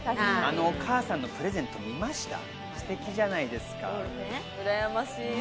お母さんのプレゼント、すてきじゃないですか。